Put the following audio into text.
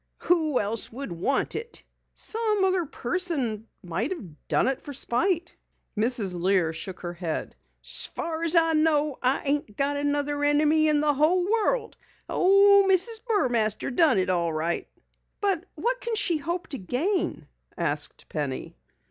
"Who else would want it?" "Some other person might have done it for spite." Mrs. Lear shook her head. "So far's I know, I ain't got another enemy in the whole world. Oh, Mrs. Burmaster done it all right." "But what can she hope to gain?" asked Penny.